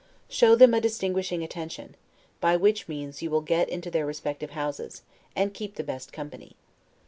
Show them a distinguishing attention; by which means you will get into their respective houses, and keep the best company.